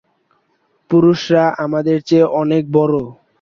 পুরুষরা আমাদের চেয়ে অনেক বড়ো।